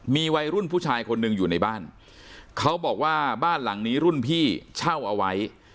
มีวัยรุ่นผู้ชายคนหนึ่งอยู่ในบ้านเขาบอกว่าบ้านหลังนี้รุ่นพี่เช่าเอาไว้